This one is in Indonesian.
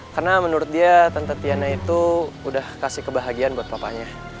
karena menurut dia tante tiana itu udah kasih kebahagiaan buat papanya